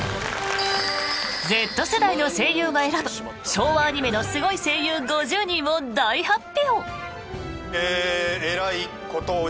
Ｚ世代の声優が選ぶ昭和アニメのすごい声優５０人を大発表。